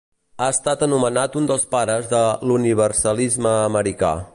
Ha estat anomenat un dels pares de l'universalisme americà.